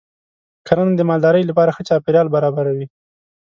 کرنه د مالدارۍ لپاره ښه چاپېریال برابروي.